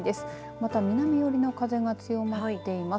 また南寄りの風が強まっています。